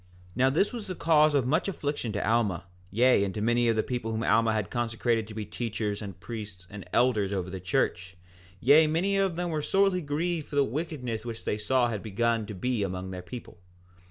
4:7 Now this was the cause of much affliction to Alma, yea, and to many of the people whom Alma had consecrated to be teachers, and priests, and elders over the church; yea, many of them were sorely grieved for the wickedness which they saw had begun to be among their people.